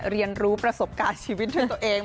เรียนรู้ประสบการณ์ชีวิตด้วยตัวเอง